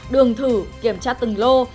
đường thử kiểm tra từng lô